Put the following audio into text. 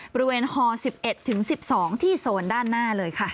บริเวณฮ๑๑ถึง๑๒ที่โซนด้านหน้าเลยค่ะ